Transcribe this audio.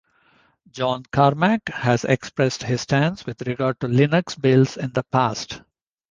John Carmack has expressed his stance with regard to Linux builds in the past.